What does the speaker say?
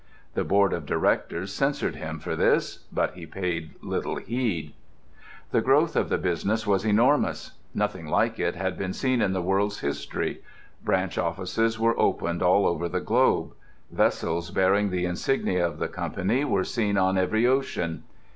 The board of directors censured him for this, but he paid little heed. The growth of the business was enormous; nothing like it had been seen in the world's history. Branch offices were opened all over the globe. Vessels bearing the insignia of the company were seen on every ocean.